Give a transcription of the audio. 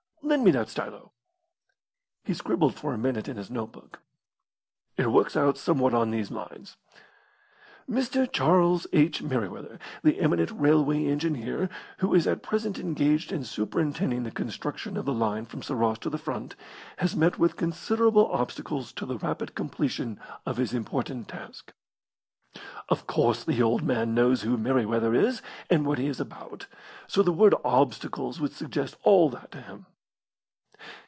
Lend me that stylo." He scribbled for a minute in his notebook. "It works out somewhat on these lines": Mr. Charles H. Merryweather, the eminent railway engineer, who is at present engaged in superintending the construction of the line from Sarras to the front, has met with considerable obstacles to the rapid completion of his important task "Of course the old man knows who Merryweather is, and what he is about, so the word 'obstacles' would suggest all that to him."